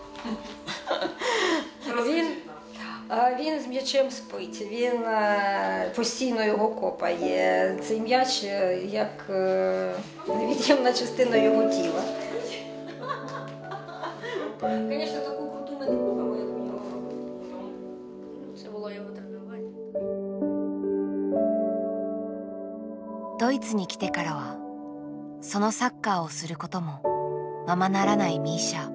ドイツに来てからはそのサッカーをすることもままならないミーシャ。